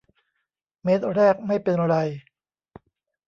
เมตรแรกไม่เป็นไร